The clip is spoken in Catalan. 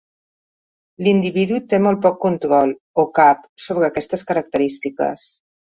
L'individu té molt poc control, o cap, sobre aquestes característiques.